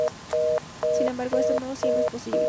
Sin embargo, esto no siempre es posible.